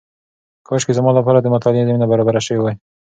کاشکې زما لپاره د مطالعې زمینه برابره شوې وای.